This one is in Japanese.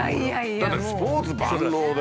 だってスポーツ万能で。